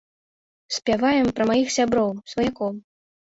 Спяваем пра маіх сяброў, сваякоў.